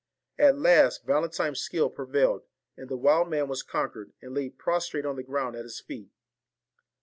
At last Valentine's skill prevailed, and the wild man was conquered, and lay prostrate on the ground at his feet.